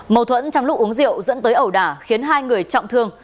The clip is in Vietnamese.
mâu thuẫn trong lúc uống rượu dẫn tới ẩu đả khiến hai người trọng thương